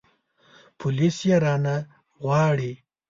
پوليس يې رانه غواړي.